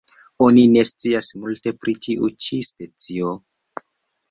Oni ne scias multe pri tiu ĉi specio.